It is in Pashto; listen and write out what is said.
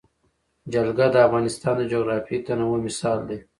جلګه د افغانستان د جغرافیوي تنوع مثال دی.